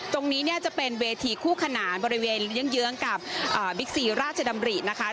ตรงนี้เนี่ยจะเป็นเวทีคู่ขนานบริเวณเยื้องกับบิ๊กซีราชดำรินะคะ